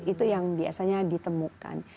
itu yang biasanya ditemukan